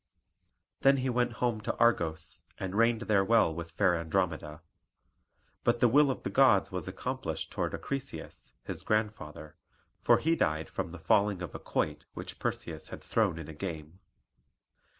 Then he went home to Argos, and reigned there well with fair Andromeda. But the will of the gods was accomplished towards Acrisius, his grandfather, for he died from the falling of a quoit which Perseus had thrown in a game.